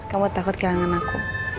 kamu takut kehilangan aku